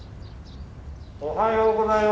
おはようございます。